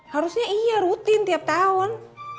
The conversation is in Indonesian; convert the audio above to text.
harusnya iya rutin tiap tahun